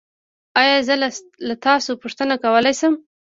ایا زه له تاسو پوښتنه کولی شم؟